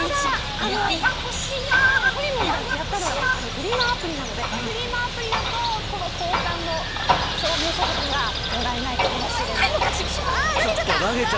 ほりもんがやったのはフリマアプリなのでフリマアプリだとこの交換の証明書がもらえないかもしれません。